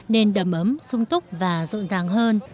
nên đầm ấm sung túc và rộn ràng hơn